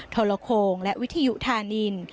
ทรโคงและวิทยุธานิน